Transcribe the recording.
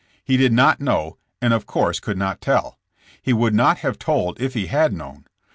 He did not know, and of course could not tell. He would not have told if he had known.